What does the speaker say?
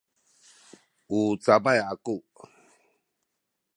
u cabay aku